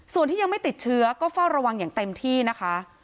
ส่วนที่ยังไม่ติดเชื้อก็เฝ้าระวังอย่างเต็มที่นะคะ